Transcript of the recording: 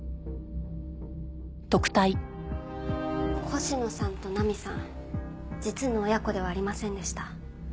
星野さんと菜美さん実の親子ではありませんでした。